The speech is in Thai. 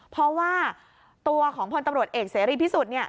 เพราะว่าตัวของพลตำรวจเอกเสรีพิสุทธิ์